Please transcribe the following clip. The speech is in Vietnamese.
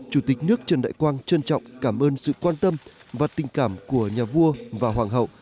chủ tịch nước trần đại quang trân trọng cảm ơn sự quan tâm và tình cảm của nhà vua và hoàng hậu